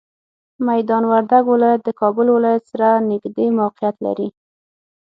میدان وردګ ولایت د کابل ولایت سره نږدې موقعیت لري.